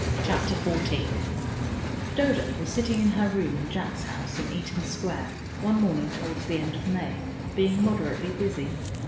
CHAPTER XIV Dodo was sitting in her room in Jack's house in Eaton Square, one morning towards the end of May, being moderately busy.